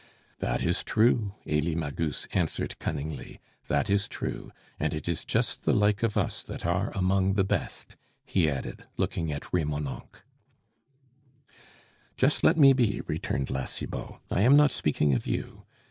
"That is true," Elie Magus answered cunningly, "that is true; and it is just the like of us that are among the best," he added, looking at Remonencq. "Just let me be," returned La Cibot; "I am not speaking of you.